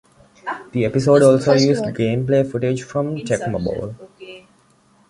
The episode also used gameplay footage from "Tecmo Bowl".